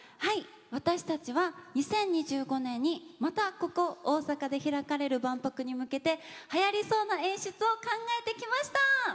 私たちは２０２５年にまたここ大阪で開かれる万博に向けてはやりそうな演出を考えてきました。